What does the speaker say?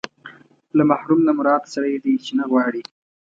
له محروم نه مراد سړی دی چې نه غواړي.